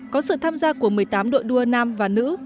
có sự tham gia của một mươi tám đội đua nam và nữ